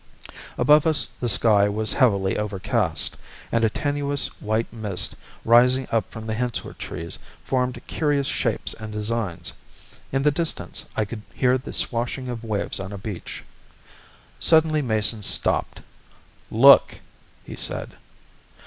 Above us the sky was heavily overcast, and a tenuous white mist rising up from the hensorr trees formed curious shapes and designs. In the distance I could hear the swashing of waves on a beach. Suddenly Mason stopped. "Look!" he said.